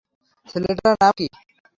ছেলেটার নাম কী?